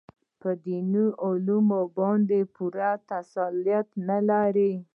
په دیني علومو باندې پوره تسلط نه لري.